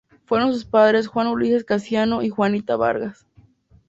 Fueron sus padres Juan Ulises Casiano y Juanita Vargas.